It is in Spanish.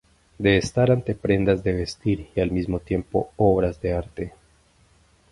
De estar ante prendas de vestir y al mismo tiempo obras de arte.